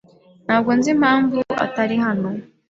Ntabwo nzi impamvu atari hano.